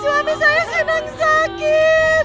suami saya sedang sakit